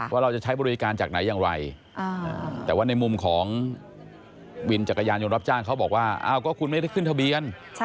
ว่าเราจะใช้บริการจากไหนอย่างไร